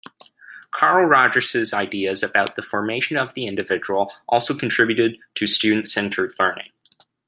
Carl Rogers' ideas about the formation of the individual also contributed to student-centered learning.